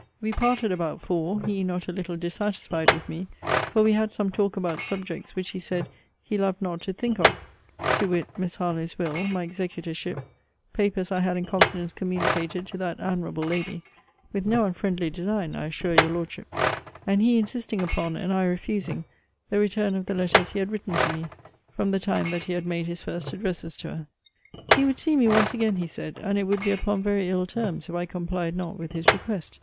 We parted about four; he not a little dissatisfied with me; for we had some talk about subjects, which, he said, he loved not to think of; to whit, Miss Harlowe's will; my executorship; papers I had in confidence communicated to that admirable lady (with no unfriendly design, I assure your Lordship;) and he insisting upon, and I refusing, the return of the letters he had written to me, from the time that he had made his first addresses to her. He would see me once again, he said; and it would be upon very ill terms if I complied not with his request.